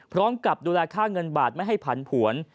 พร้อมกับดูแลค่าเงินบาทไม่ให้ผันผวน